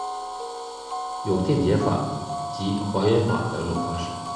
有电解法及还原法两种方式。